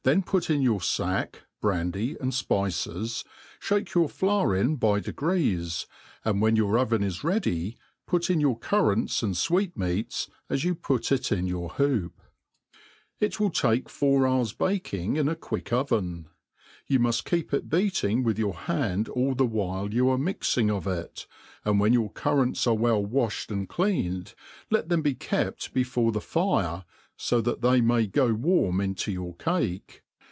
put in your fack, brandy, and fpices, ihake your flour in by degrees^ and when your oven is ready, jput in your currants and fweet^mcats as you put it in your hoop. It will take four hours baking in a quick oven. You muft keep it beating with your hand all the while you are miac Jng of it, and when your currants are well wa(hed and clean ed, let ihem be kept before the fire, fo that they may gp warm into your cake.